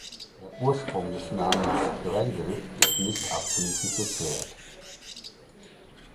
Der Ursprung des Namens „Grendel“ ist nicht abschließend geklärt.